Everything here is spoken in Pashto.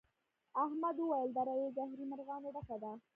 احمد وويل: دره له زهري مرغانو ډکه ده.